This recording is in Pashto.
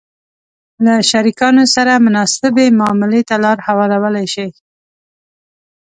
-له شریکانو سره مناسبې معاملې ته لار هوارولای شئ